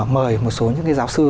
mời một số những cái giáo sư